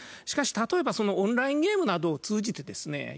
しかし例えばオンラインゲームなどを通じてですね